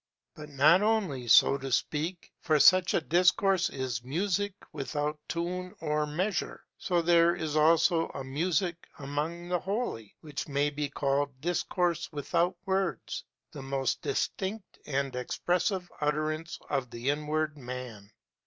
But not only, so to speak; for as such a discourse is music without tune or measure, so there is also a music among the Holy, which may be called discourse without words, the most distinct and expressive utterance of the inward man.